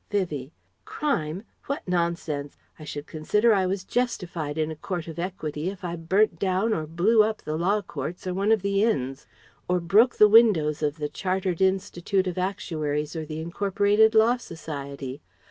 Vivie: "Crime? What nonsense! I should consider I was justified in a Court of Equity if I burnt down or blew up the Law Courts or one of the Inns or broke the windows of the Chartered Institute of Actuaries or the Incorporated Law Society.